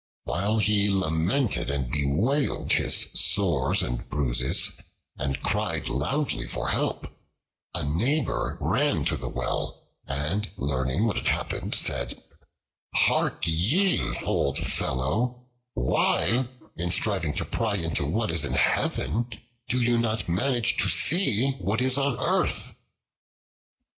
While he lamented and bewailed his sores and bruises, and cried loudly for help, a neighbor ran to the well, and learning what had happened said: "Hark ye, old fellow, why, in striving to pry into what is in heaven, do you not manage to see what is on earth?"